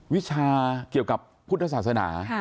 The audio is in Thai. วิชาเกี่ยวกับพุทธศาสนา